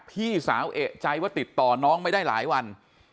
พี่สาวเอกใจว่าติดต่อน้องไม่ได้หลายวัน